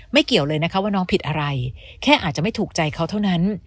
เกี่ยวเลยนะคะว่าน้องผิดอะไรแค่อาจจะไม่ถูกใจเขาเท่านั้น